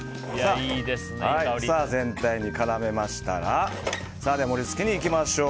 全体に絡めましたら盛り付けにいきましょう。